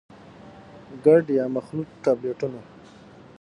ګډ يا مخلوط ټابليټونه: